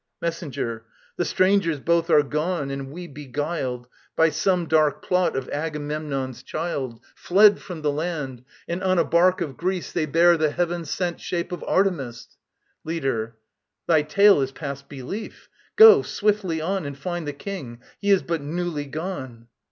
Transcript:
MESSENGER. The strangers both are gone, and we beguiled, By some dark plot of Agamemnon's child: Fled from the land! And on a barque of Greece They bear the heaven sent shape of Artemis. LEADER. Thy tale is past belief. Go, swiftly on, And find the King. He is but newly gone.